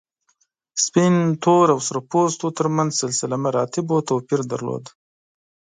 سپین، تور او سره پوستو تر منځ سلسله مراتبو توپیر درلود.